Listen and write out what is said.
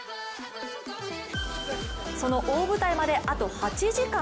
その大舞台まであと８時間。